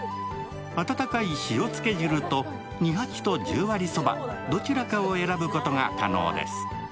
温かい塩つけ汁と二八と十割そば、どちらかを選ぶことが可能です。